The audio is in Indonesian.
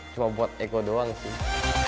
cuma buat eko doang sih